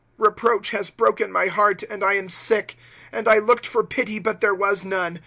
*" Reproach has broken my heart, and I am sick; And I looked for pity, but there was none.